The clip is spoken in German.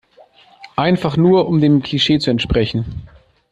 Einfach nur um dem Klischee zu entsprechen.